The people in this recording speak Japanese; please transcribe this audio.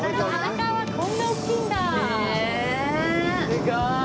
すごーい！